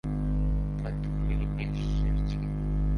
তাই দুটোই নিয়ে এসেছি।